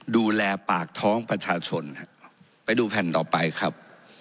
ดูแลปากท้องประชาชนไปดูแผ่นต่อไปครับ